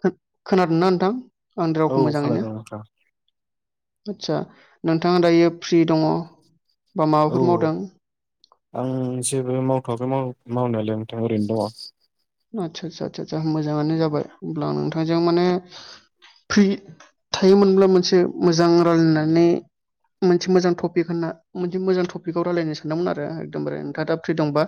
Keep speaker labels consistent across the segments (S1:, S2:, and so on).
S1: खो- खोनादोंना नोंथां? आंनि
S2: औ
S1: रावखौ मोजाङैनो
S2: खोनादों नोंथां
S1: आदसा नोंथाङा दायो फ्रि दङ बा
S2: औ
S1: माबाफोर मावदों
S2: आं जेबो मावथ'वाखै माव मानालाय नोंथां ओरैनो दङ।
S1: आदसा सा सा सा आ मोजाङानो जाबाय होमब्ला आं नोंथांजों माने फ्रि थायोमोनब्ला मोनसे मोजां रायलायनानै मोनसे मोजां टपिक होनना मोनसे मोजां टपिकआव रायलायनो सानदोंमोन आरो आ एकदमबारे नोंथाङा दा फ्रि दंबा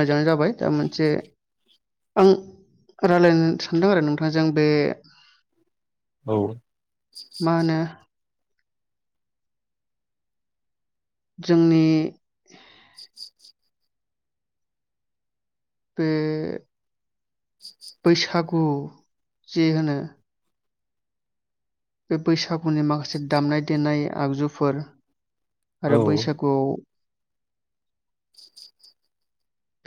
S1: मोजाङानो जाबाय दा मोनसे आं रायलायनो सानदों आरो नोंथांजों बे
S2: औ।
S1: मा होनो जोंनि बे बैसागु जे होनो बे बैसागुनि माखासे दामनाय देनाय आगजुफोर
S2: औ
S1: आरो बैसागुआव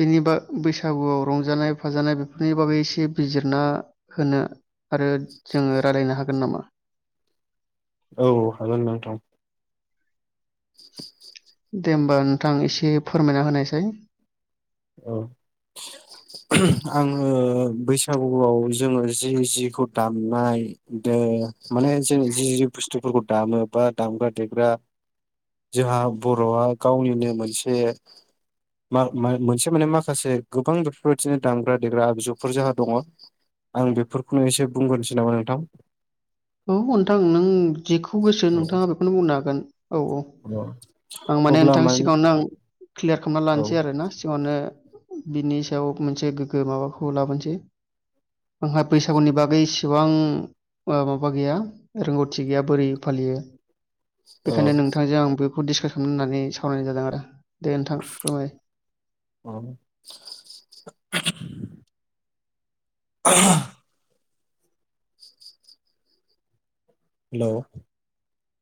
S1: बेनि बा बैसागुआव रंजानाय-फाजानाय बेफोरनि बागै एसे बिजिरना होनो आरो जोङो रायलायनो हागोन नामा?
S2: औ हागोन नोंथां।
S1: दे होमबा नोंथां एसे फोरमायना होनायसाय।
S2: औ आङो बैसागुआव जोङो जि जिखौ दामनाय दे माने जों जि बुस्थुफोरखौ दामो बा दामग्रा-देग्रा जोंहा बर'आ गावनिनो मोनसे मा मोन थारमाने माखासे गोबां बेफोरबायदिनो दामग्रा देग्रा आबजुफोर जोंहा दङ आं बेफोरखौनो एसे बुंग्रोनोसै नामा नोंथां।
S1: औ नोंथां नों जेखौ गोसो नोंथाङा बेखौनो बुंनो हागोन। औ औ आं माने नोंथां सिगाङावनो आं क्लियार खालामना
S2: औ
S1: लानोसै आरो ना सिगाङावनो। बिनि सायाव मोनसे गोग्गो माबाखौ लाबोनोसै आंहा बैसागुनि बागै इसेबां मा बा गैया रोंगौथि गैया बोरै फालियो
S2: औ
S1: बेनिखायनो नोंथांजों आंबो बेखौ डिसकास खालामनो होननानै सावरायनाय जादों आरो। दे नोंथां फोरमाय।
S2: औ [inaudible] हेलौ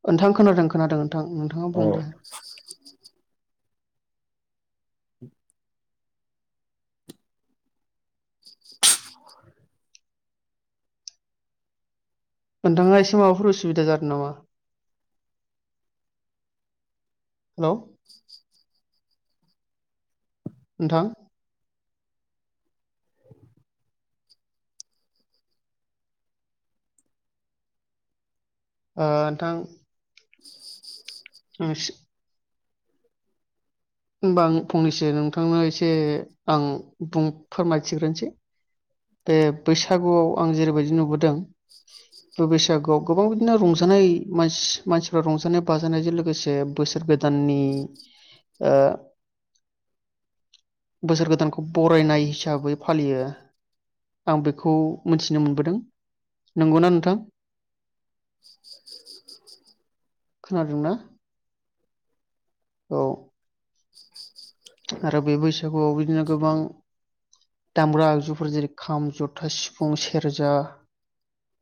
S1: नोंथां खोनादों खोनादों नों थां नोंथाङा
S2: औ
S1: बुं दे।
S2: [inaudible]
S1: नोंथाङा एसे माबाफोर उसुबिदा जादों नामा? हेलौ नोंथां। ओ नोंथां।
S2: [inaudible]
S1: आं इसे होमबा आं फंनैसो नोंथांनो एसे आं बुं फोरमायथिग्रोनोसै। बे बैसागुआव आं जेरैबायदि नुबोदों। बे बैसागुआव गोबां बिदिनो रंजानाय मानसि मानसिफ्रा रंजानाय बाजानायजों लोगोसे बोसोर गोदाननि ओ बोसोर गोदानखौ बरायनाय हिसाबै फालियो आं बेखौ मिथिनो मोनबोदों नंगौना नोंथां? खोनादोंना औ। आरो बे बैसागुआव बिदिनो गोबां दामग्रा आगजुफोर जेरै खाम, जथा, सिफुं, सेरजा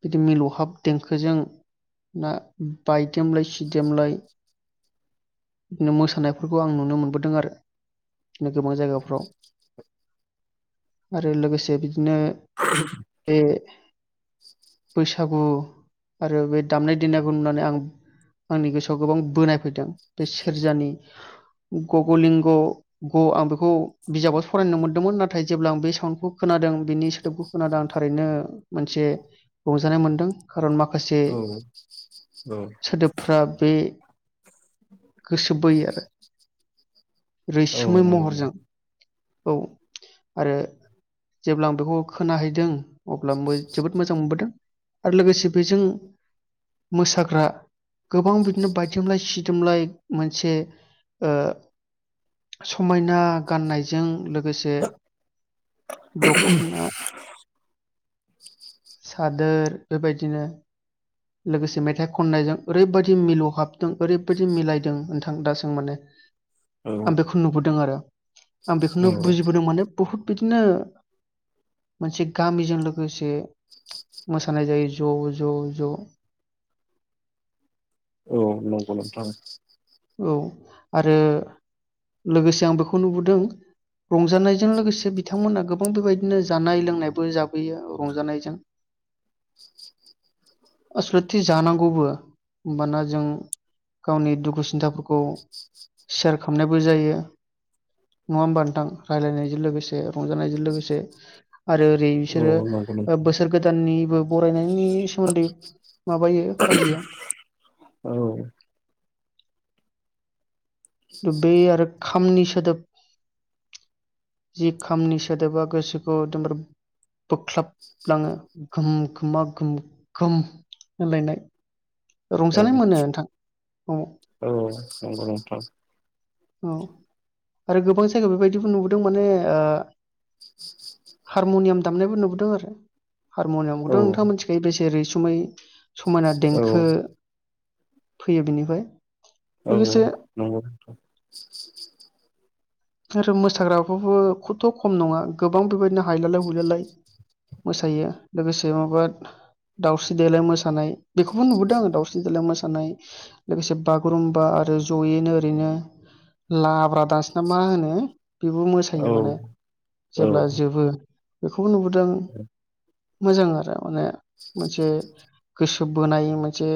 S1: बिदि मिलौहाब देंखोजों नो बायदेमलाय सिदेमलाय बिदिनो मोसानायफोरखौ आं नुनो मोनबोदों आरो बिदिनो गोबां जायगाफ्राव आरो लोगोसे बिदिनो बे
S2: [inaudible]
S1: बैसागु आरो बे दामनाय-देनायखौ नुनानै आं आंनि गोसोआव गोबां बोनाय फैदों। बे सेरजानि गग' लिं ग' आं बेखौ बिजाबावसो फरायनो मोन्दोंमोन नाथाय जेब्ला आं बे साउन्डखौ खोनादों बेनि सोदोबखौ खोनादों आं थारैनो मोनसे रंजानाय मोनदों। खारन माखासे
S2: औ औ
S1: सोदोबफ्रा बे
S2: उम
S1: गोसो बोयो आरो
S2: औ
S1: रैसुमै
S2: नंगौ
S1: महरजों औ आरो जेब्ला आं बेखौ खोनाहैदों अब्ला जोबोद मोजां मोनबोदों। आरो लोगोसे बेजों मोसाग्रा गोबां बिदिनो बायदोमलाय -सिदोमलाय मोनसे ओ समायना गाननायजों लोगोसे दख'ना सादोर बेबायदिनो लोगोसे मेथाइ खननायजों ओरैबादि मिलौहाबदों ओरैबादि मिलायदों नोंथां दासों माने।
S2: औ
S1: आं बेखौ नुबोदों आरो। आं बेखौनो
S2: औ
S1: बुजिबोदों माने बुहुत बिदिनो मोनसे गामिजों लोगोसे मोसानाय जायो ज' ज' ज'।
S2: औ नंगौ [unintelligible]
S1: औ आरो लोगोसे आं बेखौ नुबोदों रंजानायजों लोगोसे बिथांमोना गोबां बेबायदिनो जानाय- लोंनायबो जाबोयो रंजानायजों आसलथे जानांगौबो होनबाना जों गावनि दुखु सिन्थाफोरखौ सेयार खालामनायबो जायो नङा होमबा नोंथां रायलायनायजों लोगोसे रंजानायजों लोगोसे। आरो ओरै
S2: औ
S1: बिसोरो
S2: नंगौ नोंथां
S1: बोसोर गोदाननि बरायनायनि सोमोन्दै माबायो फालियो।
S2: औ
S1: बै आरो खामनि सोदोब जि खामनि सोदोबा गोसोखौ एदमबारे बोख्लाबलाङो गोम खोमा गोम गोम होलायनाय ।
S2: औ
S1: रंजानाय मोनो नोंथां। औ
S2: औ नंगौ नोथां।
S1: औ आरो गोबां जायगायाव बेबायदिबो नुबोदों माने हारमनियाम दामनायबो नुबोदों आरो । हारम'नियामखौथ'
S2: औ
S1: नोंथां मिथिखायो बे जेरै रैसुमै समायना
S2: औ
S1: देंखो
S2: औ
S1: फैयो बेनिफ्राय
S2: औ नंगौ।
S1: आरो मोसाग्राखौबो खथ' खम नङा गोबां बेबायदिनो हायलालाय हुलालाय मोसायो। लोगोसे माबा दाउस्रि- देलाय मोसानाय बेखौबो नुबोदों आङो दाउस्रि -देलाय मोसानाय लोगोसे बागुरुम्बा आरो जयैनो ओरैनो लाब्रा दानस ना मा होनो। बेबो मोसायो माने जेब्ला
S2: औ
S1: जोबो बेखौबो नुबोदों मोजां आरो माने। मोनसे गोसो बोनाय मोनसे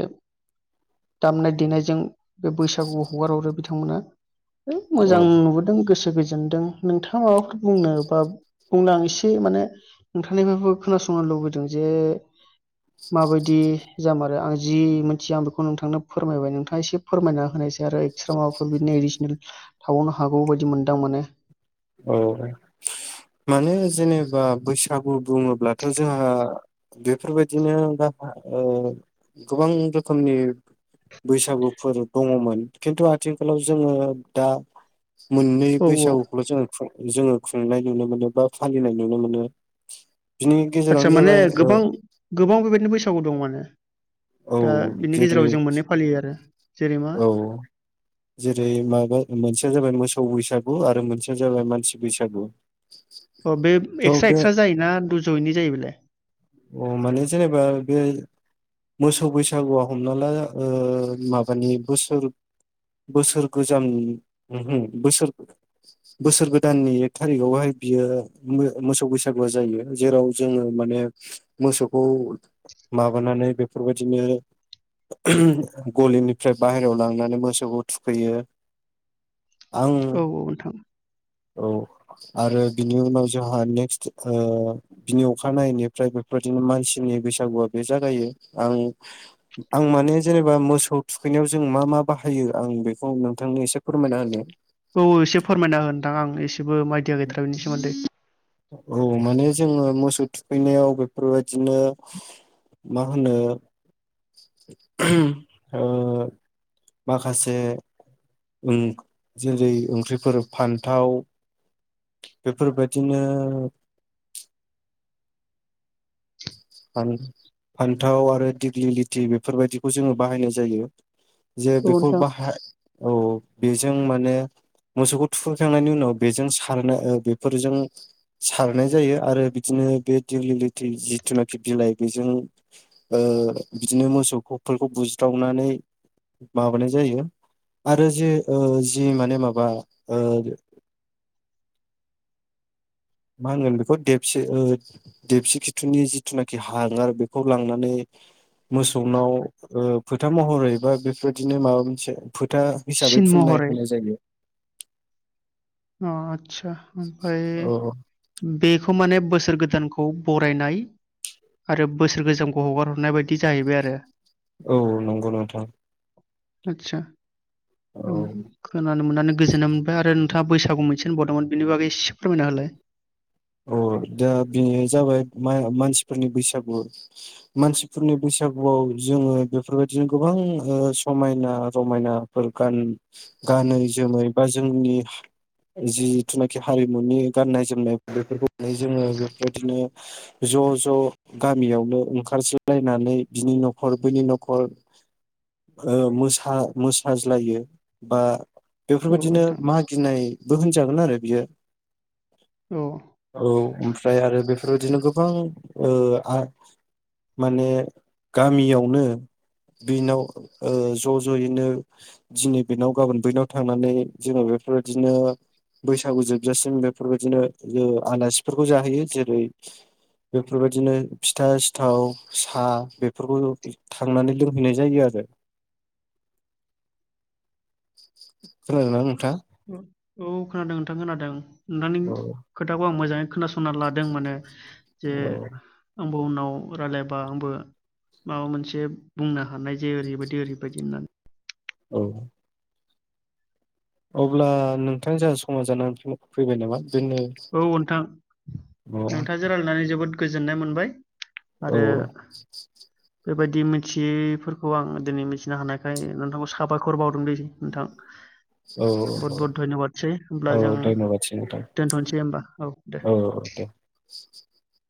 S1: दामनाय- देनायजों बे बैसागुआव हगार हरो बिथांमोना। [unintelligible]
S2: औ
S1: मोजां नुबोदों गोसो गोजोनदों। नोंथाङा माबाफोर बुंनो बा बुंनो आं एसे माने नोंथांनिफ्रायबो खोनासंनो लुबैदों जे माबायदि जामारो आं जि मोनथिया आं बेखौ नोंथांनो फोरमायबाय नोंथाङा एसे फोरमायना होनायसै आरो एक्सट्रा माबाफोर बिदि थाबावनो हागौ बायदि मोनदां माने।
S2: औ माने जेनेबा बैसागु बुङोब्लाथ' जोंहा बेफोरबायदिनो ग- गोबां रोखोमनि बैसागुफोर दङमोन खिन्थु आथिखालाव जोङो दा मोननै
S1: औ औ
S2: बैसागुखौल' जों जोङो खुंनाय नुनो मोनो बा फालिनाय नुनो मोनो। बिनि
S1: आतसा
S2: गेजेरावनो
S1: माने
S2: जाबाय ओ
S1: गोबां गोबां बेबायदि बैसागु दं माने।
S2: औ
S1: दा बिनि गेजेराव
S2: जेरै
S1: जों मोननै फालियो आरो जेरै मा
S2: औ जेरै माबा मोनसेया जाबाय मोसौ बैसागु आरो मोनसेया जाबाय मानसि बैसागु।
S1: अ बे
S2: थ'
S1: एक्सट्रा
S2: बे
S1: एक्सट्रा जायोना दुज'यैनि जायो बेलाय?
S2: अ माने जेनेबा बे मोसौ बैसागुआ हमना ला ओ माबानि बोसोर बोसोर गोजाम ओहो बोसोर बोसोर गोदाननि एक थारिखावहाय बियो मोसौ बैसागुआ जायो। जेराव जोंङो माने मोसौखौ माबानानै बे फोरबायदिनो गलिनिफ्राय बाहेरायाव लांनानै मोसौखौ थुखैयो। आं
S1: औ औ नोंथां‌।
S2: औ आरो बिनि उनाव जोंहा नेक्स्ट ओ बिनि अखानायैनिफ्राय बेफोरदिनो मानसिनि बैसागुआ बे जागायो। आं आं माने जेनेबा मोसौ थुखैनायाव जों मा मा बाहायो आं बेखौ नोंथांनो एसे फोरमायना होनो।
S1: औ एसे फोरमायना हो नोंथां आं एसे जेबो माइदिया गैथारा बिनि सोमोन्दै।
S2: औ माने जोंङो मोसौ थुखैनायाव बेफोरबायदिनो मा होनो ओ माखासे ओं जेरै ओंख्रिफोर फान्थाव, बेफोरबायदिनो फान्थाव आरो दिग्लि लिथि बेफोरबायदिखौ जोंङो बाहायनाय जायो। जे
S1: औ
S2: बेखौ
S1: नोंथां।
S2: बहाय औ बेजों माने मोसौखौ थुखैखांनायनि उनाव बेजों सारनो ओ बेफोरजों सारनाय जायो आरो बिदिनो बे दिग्लि लिथि जि जिथिुनाखि बिलाइ बेजों ओ बिदिनो मोसौ खौ फोरखौ बुज्रावनानै माबानाय जायो। आरो जे ओ जि माने माबा ओ मा होनगोन बेखौ देबसे ओ देबसि खिथुनि जिथुनाखि हांगार बेखौ लांनानै मोसौनाव ओ फोथा महरै बा बेफोरदिनो माबा मोनसे फो था हिसाबै
S1: सिन
S2: फुननाय
S1: महरै
S2: होनाय जायो।
S1: अ आदसा ओमफ्राय
S2: औ औ
S1: बेखौ माने बोसोर गोदानखौ बरायनाय आरो बोसोर गोजामखौ हगार हरनाय बायदि जाहैबाय आरो।
S2: औ नंगौ नोंथां।
S1: आतसा।
S2: औ
S1: खोनानो मोननानानै गोजोननाय मोनबाय आरो नोंथाङा बैसागु मोनसे होनबावदोंमोन बेनि बागै एसे फोरमायना होलाय।
S2: औ दा बेयो जाबाय मानसिफोरनि बैसागु। मानसिफोरनि बैसागुआव जोंङो बेफोरबायदिनो गोबां ओ समायना रमायनाफोर गान गानै जोमै बा जोंनि जिथुनाखि हारिमुनि गाननाय जोमनाय बेफोरखौ जोंङो बेफोरबायदिनो ज' ज' गामियावनो ओंखारज्लायनानै बिनि न'खर बैनि न'खर ओ मोसा मोसाज्लायो बा
S1: औ
S2: बेफोरबायदिनो
S1: नोंथां
S2: मागिनायबो होनजागोन आरो। बियो
S1: औ।
S2: औ ओमफ्राय आरो बेफोरबायदिनो गोबां ओ आ माने गामियावनो बेनाव ओ ज' ज'यैनो दिनै बेनाव गाबोन बैनाव थांनानै जोंङो बेफोरबायदिनो बैसागु जोबजासिम बेफोरबायदिनो ओ आलासिफोरखौ जाहैयो। जेरै बेफोरबायदिनो फिथा सिथाव साहा बेफोरखौ थांनानै लोंहैनाय जायो आरो। खोनादोंना नोंथां?
S1: उम औ खोनादों नोंथां खोनादों। नोंथांनि
S2: औ
S1: खोथाखौ आं मोजांङै खोनासंना लादों माने। जे
S2: औ
S1: [unintelligible] उनाव रायलायबा आंबो माबा मोनसे बुंनो हानाय जायो ओरैबायदि ओरैबायदि होननानै।
S2: औ। अब्ला नोंथां जोंहा समाज जानानै फैबाय नामा? दोननो
S1: औ नोंथां
S2: अ
S1: नोंथाजो रायलायनानै जोबोद गोजोननाय मोनबाय।
S2: औ।
S1: बायदि मिथियैफोरखौ आं दिनै मिथिनो हानायखाय नोंथांखौ साबायखर बावदों दे नोंथां। बहुत बहुत धन्यबादसै
S2: औ औ धयन'बादसै नोंथां।
S1: होनबा औ दे
S2: औ दे।
S1: ।
S2: [inaudible]